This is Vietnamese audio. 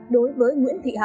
đối với nguyễn thị hà